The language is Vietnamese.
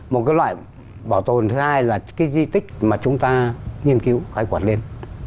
một cái loại bảo tồn thứ hai là cái di tích mà chúng ta nghiên cứu khai quản lên